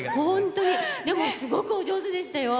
でも、すごくお上手でしたよ。